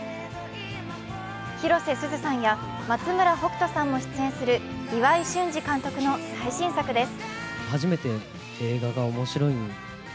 広瀬すずさんや、松村北斗さんも出演する岩井俊二監督の最新作です。